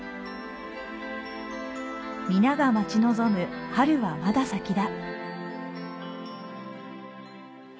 皆が待ち望む春は、まだ先だ。